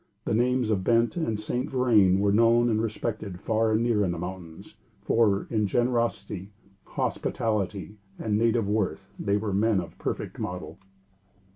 The names of Bent and St. Vrain were known and respected far and near in the mountains, for, in generosity, hospitality and native worth, they were men of perfect model.